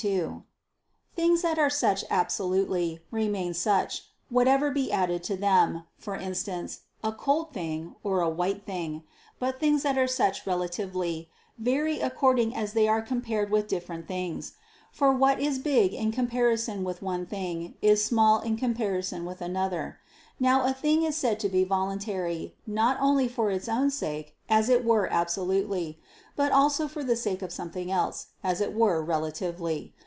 2: Things that are such absolutely, remain such, whatever be added to them; for instance, a cold thing, or a white thing: but things that are such relatively, vary according as they are compared with different things. For what is big in comparison with one thing, is small in comparison with another. Now a thing is said to be voluntary, not only for its own sake, as it were absolutely; but also for the sake of something else, as it were relatively.